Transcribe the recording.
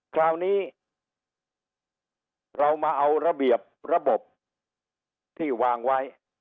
คราวนี้เรามาเอาระเบียบระบบที่วางไว้